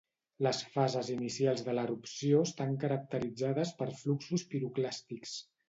Les fases inicials de l'erupció estan caracteritzades per fluxos piroclàstics.